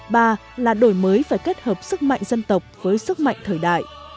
ba là đổi mới phải kết hợp sức mạnh dân tộc với sức mạnh thời đại